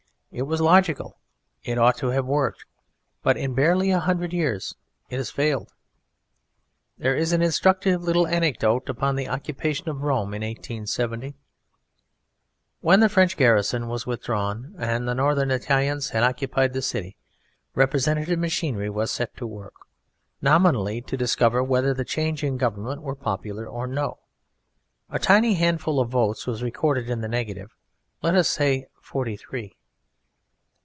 It was logical, it ought to have worked, but in barely a hundred years it has failed. There is an instructive little anecdote upon the occupation of Rome in 1870. When the French garrison was withdrawn and the Northern Italians had occupied the city, representative machinery was set to work, nominally to discover whether the change in Government were popular or no. A tiny handful of votes was recorded in the negative, let us say forty three.